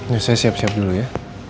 ya saya siap siap dulu ya